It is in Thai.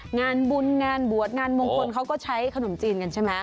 งานบุญงานบวชงานมงคลเขาก็ใช้ขนมจีนกันใช่ไหม